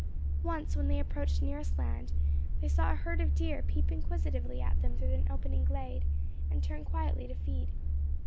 Once when they approached nearest land, they saw a herd of deer peep inquisitively at them through an opening glade, and turn quietly to feed.